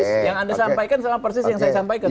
yang anda sampaikan sama persis yang saya sampaikan